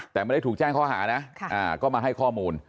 แต่ไม่ได้ถูกแจ้งข้อหานะก็มาให้ข้อมูล